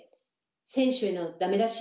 選手へのダメ出し。